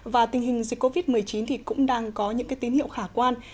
và tình hình dịch covid một mươi chín thì cũng đang có những tín hiệu khả quan